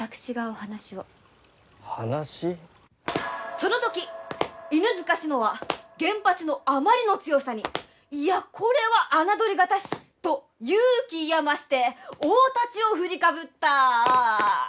その時犬塚信乃は現八のあまりの強さに「いやこれは侮りがたし」と勇気いや増して大太刀を振りかぶった。